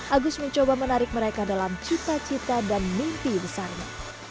agus mencoba menarik mereka dalam cita cita dan mimpi besarnya